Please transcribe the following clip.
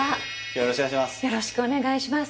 よろしくお願いします